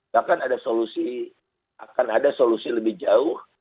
bahkan ada solusi akan ada solusi lebih jauh